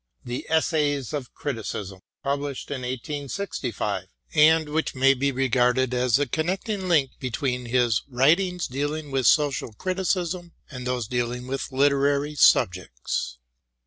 the " Essays in Criticism," published in 1865, and which may be regarded as the connecting link between his writings dealing with social criticism and those dealing with literary subjects.